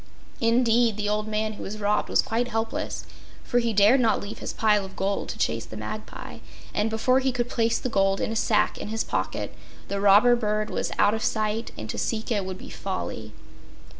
Indeed, the old man who was robbed was quite helpless, for he dared not leave his pile of gold to chase the magpie, and before he could place the gold in a sack in his pocket the robber bird was out of sight and to seek it would be folly.